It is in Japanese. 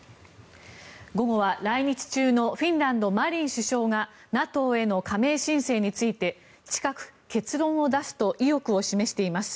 午後は来日中のフィンランド、マリン首相がＮＡＴＯへの加盟申請について近く、結論を出すと意欲を示しています。